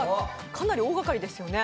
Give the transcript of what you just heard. かなり大がかりですよね。